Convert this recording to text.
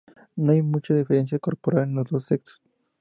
No hay mucha diferencia corporal en los dos sexos.